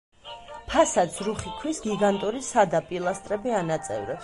ფასადს რუხი ქვის გიგანტური სადა პილასტრები ანაწევრებს.